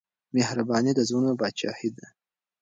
مهرباني د زړونو پاچاهي ده.